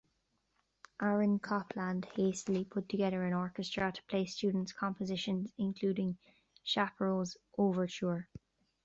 Aaron Copland hastily put together an orchestra to play student compositions, including Shapero's Overture.